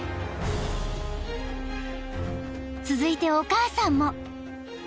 ［続いてお母さんも］